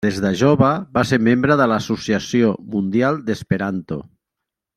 Des de jove va ser membre de l'Associació Mundial d'Esperanto.